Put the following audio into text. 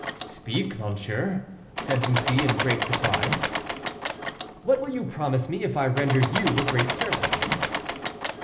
"Speak, monsieur," said Bussy, in great surprise. "What will you promise me if I render you a great service?"